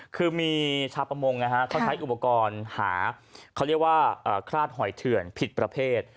คือมีชาวประมงนะฮะเขาใช้อุปกรณ์หาเขาเรียกว่าคราดหอยเถื่อนผิดประเภท